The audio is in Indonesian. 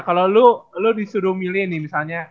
kalau lu disuruh milih nih misalnya